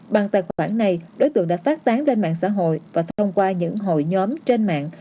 bằng tài khoản này đối tượng đã phát tán lên mạng xã hội và thông qua những hội nhóm trên mạng